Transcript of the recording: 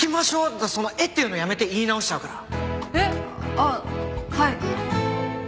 ああはい。